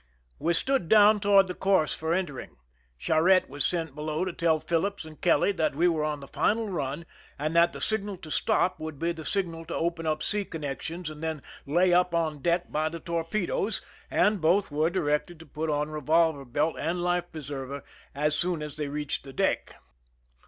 We stood down toward the course for entering. Charette was sent below to tell Phillips and Kelly that we were on the final run and that the signal to stop would be the signal to open up sea connections and then " lay up " on deck by the torpedoes, and both were directed to put on revolver belt and life preserver as soon as they reached the deck.